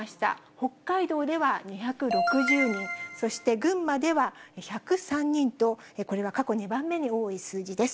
北海道では２６０人、そして群馬では１０３人と、これは過去２番目に多い数字です。